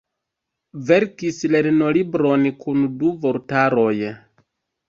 Verkis lernolibron kun du vortaroj.